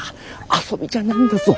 遊びじゃないんだぞ。